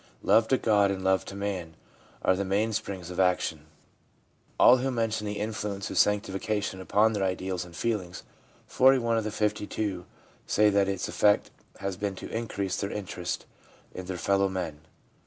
Love to God and love to man are the mainsprings of action. All who mention the influence of sanctification upon their ideals and feelings, 41 of the 52, say that its effect has been to increase their interest in their fellow men.